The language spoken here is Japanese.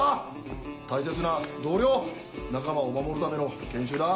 大切な同僚仲間を守るための研修だ。